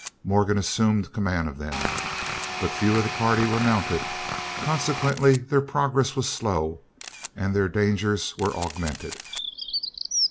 Morgan assumed command of them. But few of the party were mounted, consequently their progress was slow and their dangers were augmented.